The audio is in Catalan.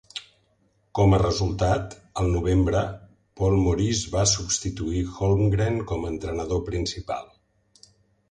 Com a resultat, al novembre Paul Maurice va substituir Holmgren com a entrenador principal.